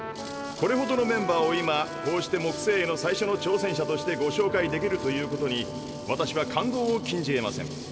これほどのメンバーを今こうして木星への最初の挑戦者としてご紹介できるということに私は感動を禁じえません。